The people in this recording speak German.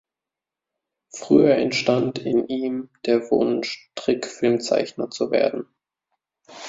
Früh entstand in ihm der Wunsch, Trickfilmzeichner zu werden.